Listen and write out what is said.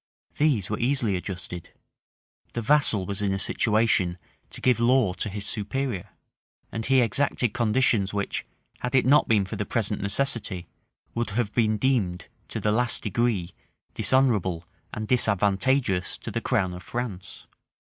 These were easily adjusted: the vassal was in a situation to give law to his superior; and he exacted conditions which, had it not been for the present necessity, would have been deemed, to the last degree, dishonorable and disadvantageous to the crown of France.